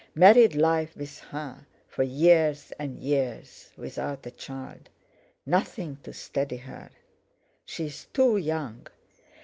Married life with her for years and years without a child. Nothing to steady her! She's too young.